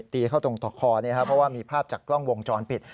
ตีเข้าตรงต่อคอเพราะว่ามีภาพจากกล้องวงจรปิด